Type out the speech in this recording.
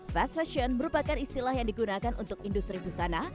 fast fashion merupakan istilah yang digunakan untuk industri busana